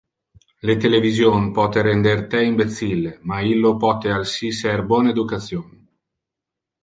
Le television pote render te imbecille, ma illo pote alsi ser bon education.